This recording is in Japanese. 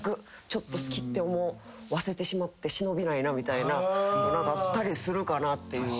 ちょっと好きって思わせてしまって忍びないなみたいなのあったりするかなっていう。